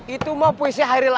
itu mah puisi hairil adel